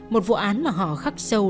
một vụ án mà họ khắc sâu